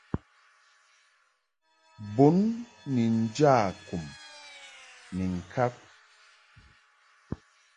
Bun ni nja kum ni ŋkab.